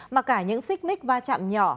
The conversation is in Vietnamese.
mà cả những xích mích va chạm nhỏ